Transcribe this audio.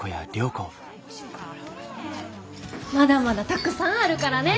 まだまだたくさんあるからね！